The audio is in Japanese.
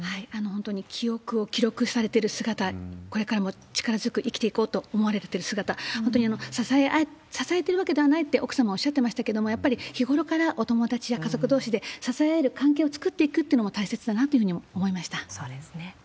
本当に記憶を記録されてる姿、これからも力強く生きていこうと思われてる姿、本当に支えてるわけではないって、奥様おっしゃってましたけれども、やっぱり日頃からお友達や家族どうしで、支える関係を作っていくというのも大切だなというふうに思いましそうですね。